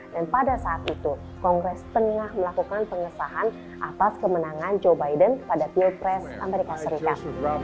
dan pada saat itu kongres tengah melakukan pengesahan atas kemenangan joe biden pada pilpres amerika serikat